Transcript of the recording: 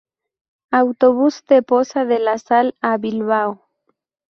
Autobús de Poza de la Sal a Bilbao.